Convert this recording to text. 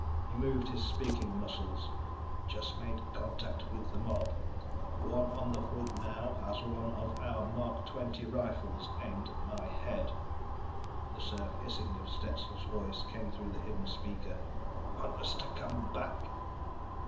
He moved his speaking muscles: "Just made contact with the mob. One on the hood now has one of our Mark XX rifles aimed at my head." The surf hissing of Stetson's voice came through the hidden speaker: _"Want us to come back?"